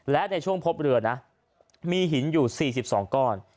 และในช่วงพบเรือนะมีหินอยู่๔๒ก้อน